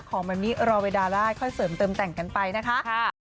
ของแบบนี้รอเวลาได้ค่อยเสริมเติมแต่งกันไปนะคะ